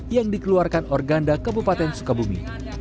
yang dikeluarkan organda kabupaten sukabumi